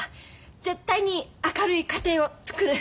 絶対に明るい家庭をつくる。